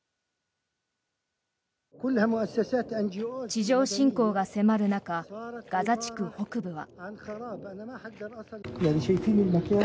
地上侵攻が迫る中ガザ地区北部は。